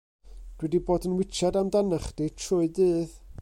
Dw i 'di bod yn witsiad amdanach chdi trwy dydd.